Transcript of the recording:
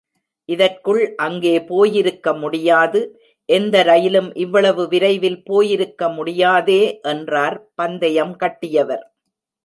இதற்குள் அங்கே போயிருக்க முடியாது, எந்த ரயிலும் இவ்வளவு விரைவில் போயிருக்க முடியாதே என்றார் பந்தயம் கட்டியவர்.